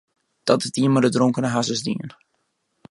Dat hat ien mei de dronkene harsens dien.